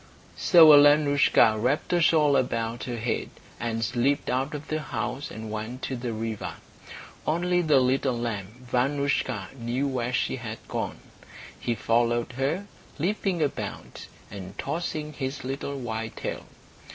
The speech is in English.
So Alenoushka wrapped a shawl about her head, and slipped out of the house and went to the river. Only the little lamb, Vanoushka, knew where she had gone. He followed her, leaping about, and tossing his little white tail.